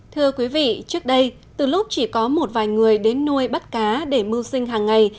thưa quý vị trước đây từ lúc chỉ có một vài người đến nuôi bắt cá để mưu sinh hàng ngày